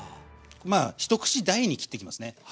まあ一口大に切っていきますね。